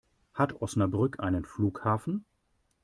Hat Osnabrück einen Flughafen?